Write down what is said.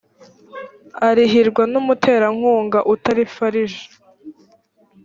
arihirwa n umuterankunga utari farg